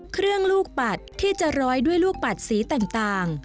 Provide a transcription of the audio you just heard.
เครื่องลูกปัดที่จะรอยด้วยลูกปัดสีแต่งต่าง